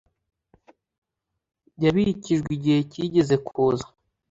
yabikijwe igihe kigeze kuza